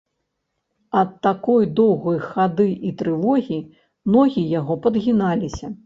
Ад такой доўгай хады і трывогі ногі яго падгіналіся.